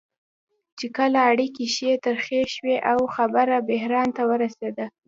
چې کله اړیکې ښې ترخې شوې او خبره بحران ته ورسېده.